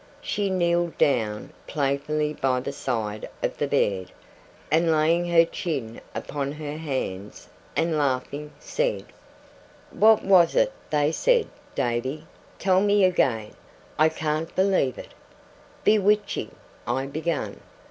She kneeled down playfully by the side of the bed, and laying her chin upon her hands, and laughing, said: 'What was it they said, Davy? Tell me again. I can't believe it.' '"Bewitching "' I began.